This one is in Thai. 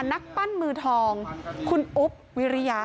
นักปั้นมือทองคุณอุ๊บวิริยะ